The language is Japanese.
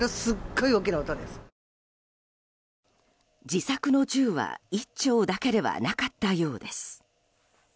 自作の銃は１丁だけではなかったようです。